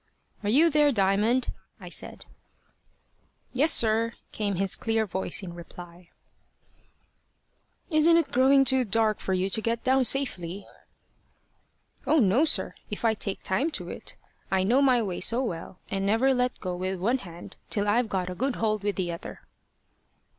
"Are you there, Diamond?" I said. "Yes, sir," came his clear voice in reply. "Isn't it growing too dark for you to get down safely?" "Oh, no, sir if I take time to it. I know my way so well, and never let go with one hand till I've a good hold with the other."